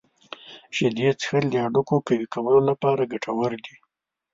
شیدې څښل د هډوکو قوي ساتلو لپاره ګټور دي.